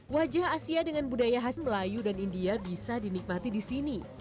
wajah asia dengan budaya khas melayu dan india bisa dinikmati di sini